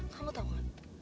kamu tau nggak